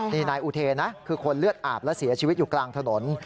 นี่นายอุเทนะคือคนเลือดอาบและเสียชีวิตอยู่กลางถนน